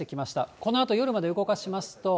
このあと夜まで動かしますと。